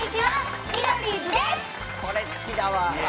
これ好きだわ。